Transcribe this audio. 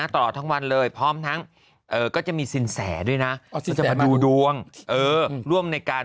ตลอดทั้งวันเลยพร้อมทั้งก็จะมีสินแสด้วยนะ